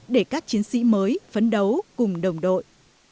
để các chiến sĩ mới phấn đấu cùng đồng đội